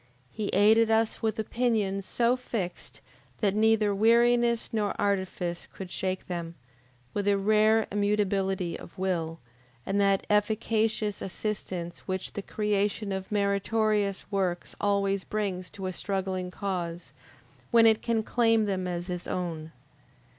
He aided us with opinions so fixed that neither weariness nor artifice could shake them, with a rare immutability of will, and that efficacious assistance which the creation of meritorious works always brings to a struggling cause, when it can claim them as its own.